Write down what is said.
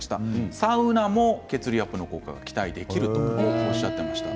サウナも血流アップの効果が期待できるとおっしゃっていました。